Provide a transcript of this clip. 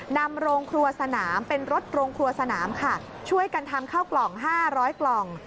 นำโรงครัวสนามเป็นรถโรงครัวสนามค่ะช่วยกันทำข้าวกล่อง๕๐๐กล่อง